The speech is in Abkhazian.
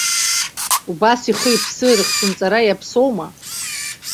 Убас ихы-иԥсы рыхҭынҵара иаԥсоума?